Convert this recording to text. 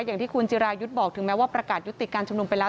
อย่างที่คุณจิรายุทธ์บอกถึงแม้ว่าประกาศยุติการชุมนุมไปแล้ว